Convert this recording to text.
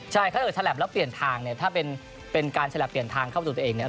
ใช่ถ้าเกิดฉลับแล้วเปลี่ยนทางเนี่ยถ้าเป็นการฉลับเปลี่ยนทางเข้าสู่ตัวเองเนี่ย